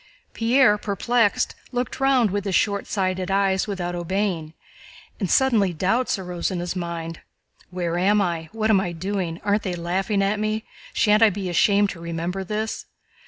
Pierre, perplexed, looked round with his shortsighted eyes without obeying, and suddenly doubts arose in his mind. "Where am I? What am I doing? Aren't they laughing at me? Shan't I be ashamed to remember this?"